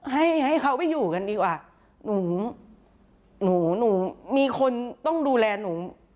ให้ให้เขาไปอยู่กันดีกว่าหนูหนูมีคนต้องดูแลหนู